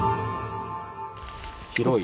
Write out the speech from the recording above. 広い。